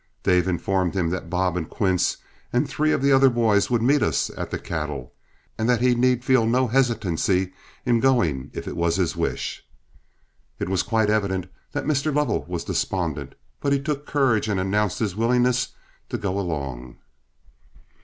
Dave informed him that Bob and Quince and three of the other boys would meet us at the cattle, and that he need feel no hesitancy in going if it was his wish. It was quite evident that Mr. Lovell was despondent, but he took courage and announced his willingness to go along.